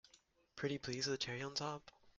Pretty please with a cherry on top!